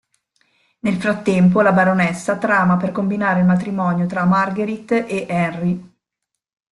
Nel frattempo, la baronessa trama per combinare il matrimonio tra Marguerite e Henry.